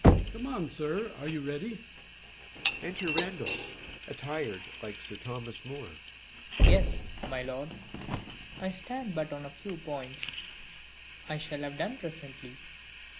Come on, sir: are you ready? [Enter Randall, attired like Sir Thomas More.] RANDALL. Yes, my lord, I stand but on a few points; I shall have done presently.